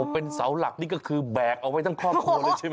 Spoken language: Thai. เป็นเสาหลักนี่ก็คือแบกเอาไว้ทั้งครอบครัวเลยใช่ไหม